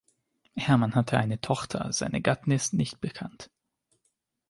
Hermann hatte eine Tochter, seine Gattin ist nicht bekannt.